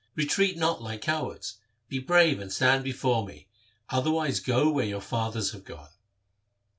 Retreat not like cowards. Be brave and stand before me ; otherwise go where your fathers have gone.'